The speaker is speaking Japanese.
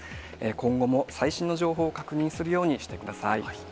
今後も最新の情報を確認するようにしてください。